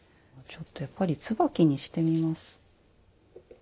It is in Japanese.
ちょっとやっぱり椿にしてみます。